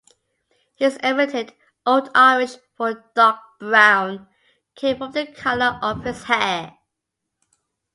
His epithet, Old Irish for "dark brown", came from the colour of his hair.